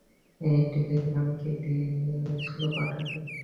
এ telegram কে দিয়েছিল পাঠাতে?